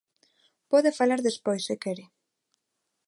Pode falar despois se quere.